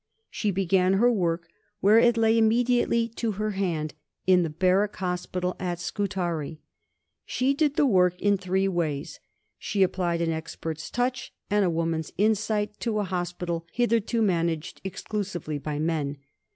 She began her work, where it lay immediately to her hand, in the Barrack Hospital at Scutari. She did the work in three ways. She applied an expert's touch and a woman's insight to a hospital hitherto managed exclusively by men.